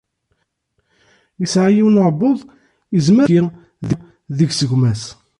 Isɛa yiwen n uɛebbuḍ, izmer ad d-izgi deg-s gma.